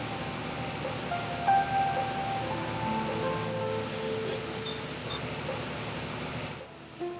m rapperapa banyak lagi saya istighfar